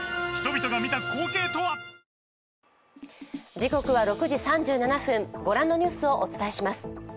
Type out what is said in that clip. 時刻は６時３７分、ご覧のニュースをお伝えします。